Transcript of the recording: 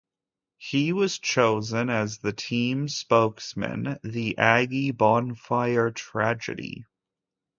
He was chosen as the team spokesman the Aggie Bonfire tragedy.